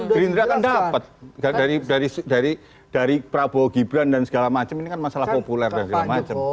gerindra kan dapat dari prabowo gibran dan segala macam ini kan masalah populer dan segala macam